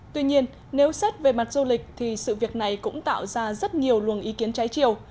tuy nhiên nếu xét về mặt du lịch thì sự việc này cũng tạo ra rất nhiều luồng ý kiến trái chiều